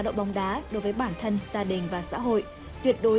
hẹn gặp lại các bạn trong những video tiếp theo